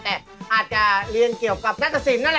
แต่อาจจะเรียนเกี่ยวกับนัตตสินนั่นแหละ